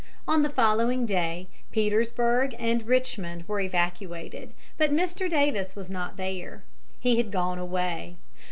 On the following day Petersburg and Richmond were evacuated, but Mr. Davis was not there. He had gone away.